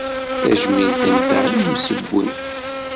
Tajmilt-nteɣ i yimsewwi.